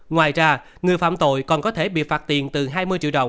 ngoài ra người phạm tội còn có thể bị phạt tiền từ hai mươi triệu đồng đến một trăm linh triệu đồng